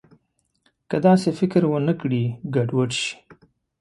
که داسې فکر ونه کړي، ګډوډ شي.